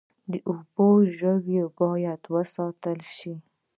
د اوبو ژوي باید وساتل شي